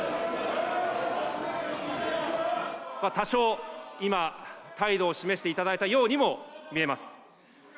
多少、今、態度を示していただいたようにも見えます。